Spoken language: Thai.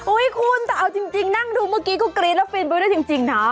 อุ้ยคุณเอาจริงนั่งดูเมื่อกี้คุณกรี๊ดแล้วฟิล์มไปด้วยจริงเนอะ